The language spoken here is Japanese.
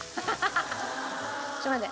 ちょっと待って。